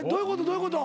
どういうこと？